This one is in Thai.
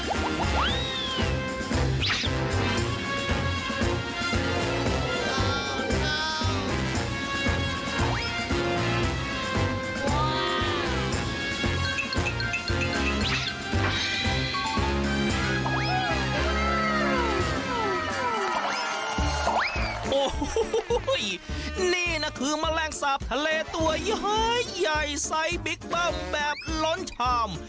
โอ้โหนี่นะคือแมลงสาปทะเลตัวย้อยใหญ่ไซส์บิ๊กเบิ้มแบบล้นชาม